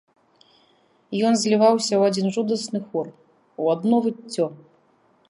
Ён зліваўся ў адзін жудасны хор, у адно выццё.